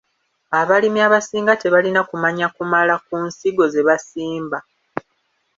Abalimi abasinga tebalina kumanya kumala ku nsigo ze basimba.